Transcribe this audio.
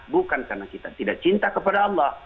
bukan karena kita tidak cinta kepada allah